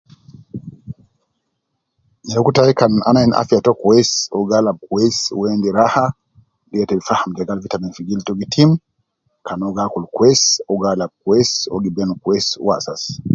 Nyereku tai kan ana ain afiya too kwesi, uwo gi alab kwesi, uwo endi raha, de ya te bi faham jegal vitamin fi gildu too gitim kan uwo gi akul kwesi, uwo gi alab kwesi, uwo gi ben kwesi uwo asas